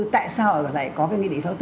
tại sao lại có cái nghị định số bốn